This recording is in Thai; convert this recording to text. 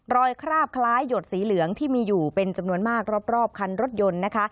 คราบคล้ายหยดสีเหลืองที่มีอยู่เป็นจำนวนมากรอบคันรถยนต์นะคะ